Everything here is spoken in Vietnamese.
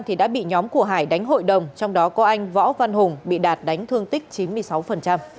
thì đã bị nhóm của hải đánh hội đồng trong đó có anh võ văn hùng bị đạt đánh thương tích chín mươi sáu